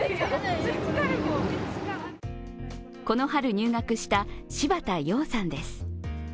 この春入学した柴田葉さんです。